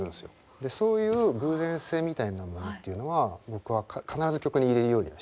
でそういう偶然性みたいなものっていうのは僕は必ず曲に入れるようにはしてて。